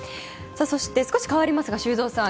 少し変わりますが修造さん。